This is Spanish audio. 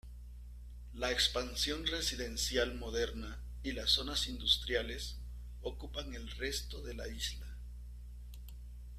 La expansión residencial moderna y las zonas industriales ocupan el resto de la isla.